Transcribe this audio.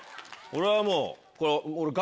俺はもう。